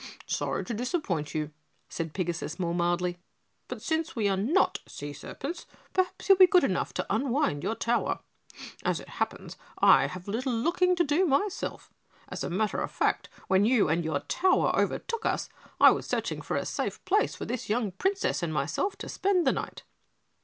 "Sorry to disappoint you," said Pigasus, more mildly, "but since we are not sea serpents, perhaps you'll be good enough to unwind your tower. As it happens, I have a little looking to do myself. As a matter of fact, when you and your tower overtook us I was searching for a safe place for this young Princess and myself to spend the night."